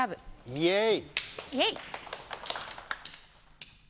イエイ！